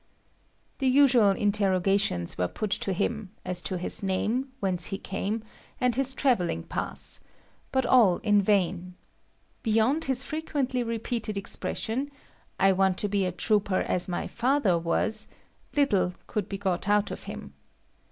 The usual interrogations were put to him, as to his name, whence he came, and his travelling pass; but all in vain. Beyond his frequently repeated expression, "I want to be a trooper as my father was," little could be got out of him.